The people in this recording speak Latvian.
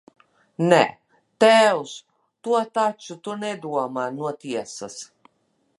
Nē, tēvs, to taču tu nedomā no tiesas!